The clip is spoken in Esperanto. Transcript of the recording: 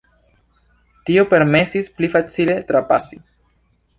Tio permesis pli facile trapasi.